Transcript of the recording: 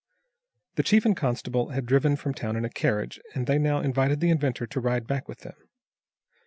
The chief and constable had driven from town in a carriage, and they now invited the inventor to ride back with them.